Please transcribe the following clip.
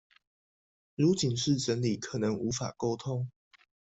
如僅是整理可能無法溝通